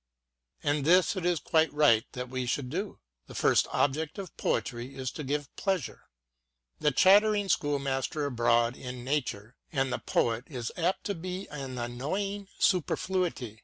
And this it is quite right that we should do : the first object of poetry is to give pleasure. The chattering schoolmaster abroad in Nature and among poets is apt to be an annoying superfluity.